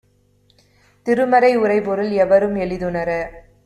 திருமறை உரைபொருள் எவரும் எளிதுணர